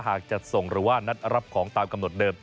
จัดส่งหรือว่านัดรับของตามกำหนดเดิม